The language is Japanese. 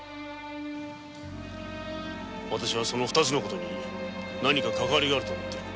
私はその二つの事に何かかかわりがあると思っている。